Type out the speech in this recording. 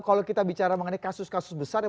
kalau kita bicara mengenai kasus kasus besar yang